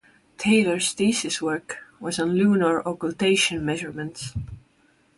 Taylor's thesis work was on lunar occultation measurements.